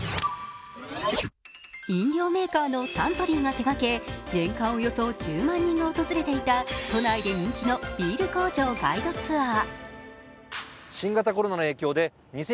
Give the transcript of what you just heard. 飲料メーカーのサントリーが手がけ、年間およそ１０万人が訪れていた都内で人気のビール工場ガイドツアー。